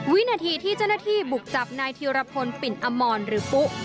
วินาทีที่เจ้าหน้าที่บุกจับนายธีรพลปิ่นอมรหรือปุ๊